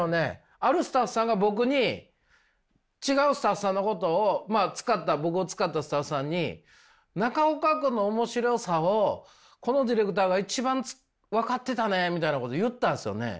あるスタッフさんが僕に違うスタッフさんのことを僕を使ったスタッフさんに中岡君の面白さをこのディレクターが一番分かってたねみたいなことを言ったんですよね。